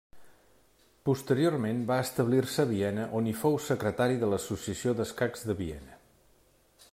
Posteriorment va establir-se a Viena, on hi fou secretari de l'Associació d'escacs de Viena.